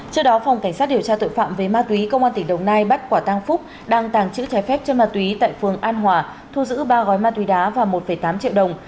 trước đó phòng cảnh sát điều tra tội phạm về ma túy công an tỉnh đồng nai bắt quả tăng phúc đang tàng trữ trái phép chân ma túy tại phường an hòa thu giữ ba gói ma túy đá và một tám triệu đồng